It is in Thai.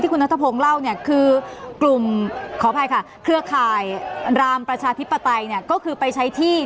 ที่คุณนาทธพงศ์เล่าคือกลุ่มเครือข่ายรามประชาทธิปไตยก็คือไปใช้ที่ดินเดิม